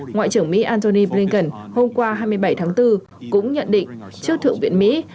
ngoại trưởng mỹ antony blinken hôm qua hai mươi bảy tháng bốn cũng nhận định trước thượng viện mỹ